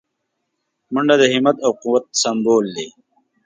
منډه د همت او قوت سمبول دی